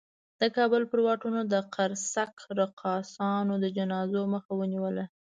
د کابل پر واټونو د قرصک رقاصانو د جنازو مخه ونیوله.